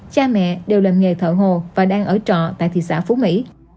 cha mẹ đều làm nghề thợ hồ và đang ở trọ tại thị xã phú mỹ